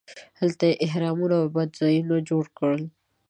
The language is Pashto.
هلته یې اهرامونو او عبادت ځایونه جوړ کړل.